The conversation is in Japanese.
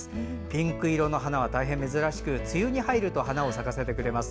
ピンク色の花は珍しく梅雨に入ると花を咲かせてくれます。